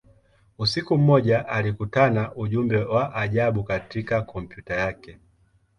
Usiku mmoja, alikutana ujumbe wa ajabu katika kompyuta yake.